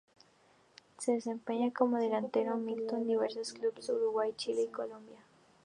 Se desempeñaba como delantero y militó en diversos clubes de Uruguay, Chile y Colombia.